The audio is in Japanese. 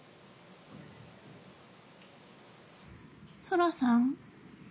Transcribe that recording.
そらさん。